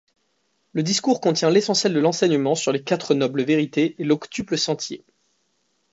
Le discours contient l'essentiel de l'enseignement sur les quatre nobles vérités et l'octuple sentier.